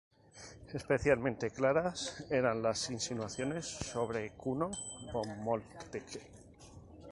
Especialmente claras eran las insinuaciones sobre Kuno von Moltke.